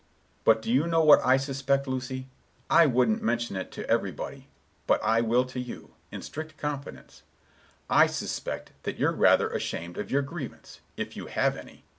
But do you know what I suspect, Lucy? I wouldn't mention it to everybody, but I will to you—in strict confidence: I suspect that you're rather ashamed of your grievance, if you have any.